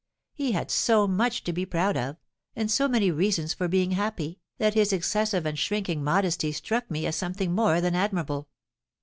He had so much to be proud of, and so many reasons for being happy, that his excessive and shrinking modesty struck me as something more than admirable.